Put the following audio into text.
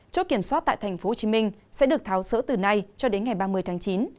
chốt kiểm soát tại tp hcm sẽ được tháo rỡ từ nay cho đến ngày ba mươi tháng chín